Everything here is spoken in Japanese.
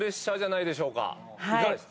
いかがですか。